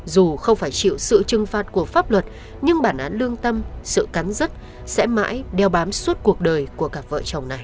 dù không phải chịu sự trừng phạt của pháp luật nhưng bản án lương tâm sự cắn dứt sẽ mãi đeo bám suốt cuộc đời của cả vợ chồng này